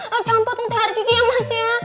jangan potong teh hari kiki ya mas ya